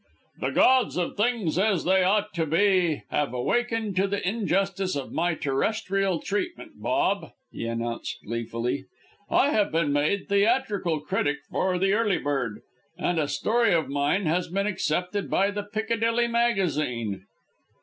"The gods of things as they ought to be have awakened to the injustice of my terrestrial treatment, Bob," he announced gleefully. "I have been made theatrical critic for the Early Bird, and a story of mine has been accepted by the Piccadilly Magazine."